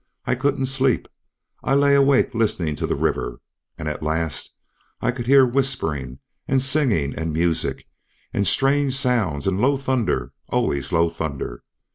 I couldn't sleep. I lay awake listening to the river, and at last I could hear whispering and singing and music, and strange sounds, and low thunder, always low thunder.